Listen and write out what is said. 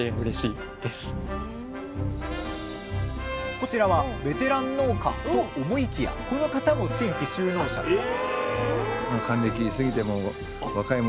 こちらはベテラン農家と思いきやこの方も新規就農者です